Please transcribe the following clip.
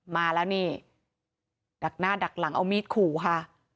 มาแล้วนี่ดักหน้าดักหลังเอามีดขู่ค่ะ